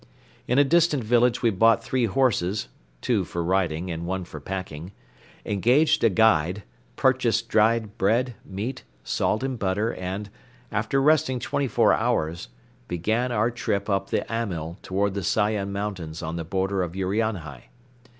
In a distant village we bought three horses, two for riding and one for packing, engaged a guide, purchased dried bread, meat, salt and butter and, after resting twenty four hours, began our trip up the Amyl toward the Sayan Mountains on the border of Urianhai.